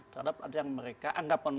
terhadap yang mereka anggap